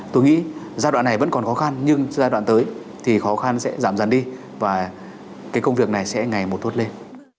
tôi nghĩ giai đoạn này vẫn còn khó khăn nhưng giai đoạn tới thì khó khăn sẽ giảm dần đi và cái công việc này sẽ ngày một tốt lên